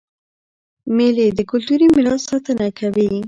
مېلې د کلتوري میراث ساتنه کوي.